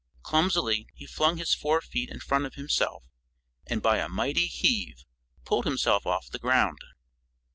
Clumsily he flung his fore feet in front of himself and by a mighty heave pulled himself off the ground.